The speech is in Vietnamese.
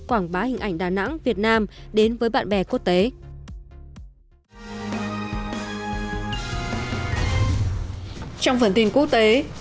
quảng bá hình ảnh đà nẵng việt nam đến với bạn bè quốc tế trong phần tin quốc tế